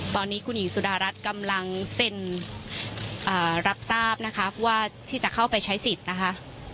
ตอนนี้คุณหญิงสุดารัฐกำลังเซ็นรับทราบนะคะว่าที่จะเข้าไปใช้สิทธิ์นะคะ